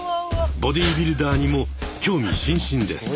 ボディビルダーにも興味津々です！